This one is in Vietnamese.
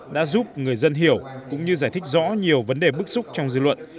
đã giúp người dân hiểu cũng như giải thích rõ nhiều vấn đề bức xúc trong dư luận